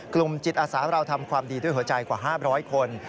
กลุ่มจิตอาสาเราทำความดีด้วยหัวใจกว่า๕๐๐คน